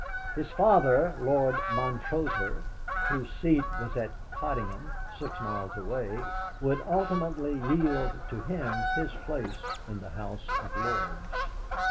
His father, Lord Montrossor, whose seat was at Coldingham six miles away, would ultimately yield to him his place in the House of Lords.